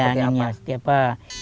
nah ya anginnya akan seperti apa